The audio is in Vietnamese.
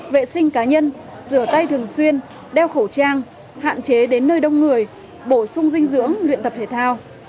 vệ sinh cá nhân rửa tay thường xuyên đeo khẩu trang hạn chế đến nơi đông người bổ sung dinh dưỡng luyện tập thể thao